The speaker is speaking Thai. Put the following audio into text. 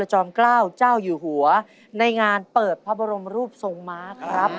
จอมเกล้าเจ้าอยู่หัวในงานเปิดพระบรมรูปทรงม้าครับ